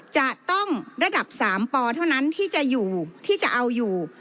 จะต้องระดับ๓ปเท่านั้นที่จะอยู่ที่จะเอาอยู่